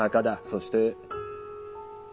そして。